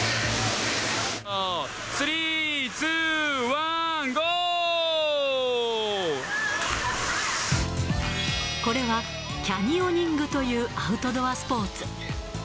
はぁ、３、２、１、これは、キャニオニングというアウトドアスポーツ。